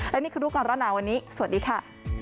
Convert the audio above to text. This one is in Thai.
และนี่คือรูปกรรมรับนานวันนี้สวัสดีค่ะ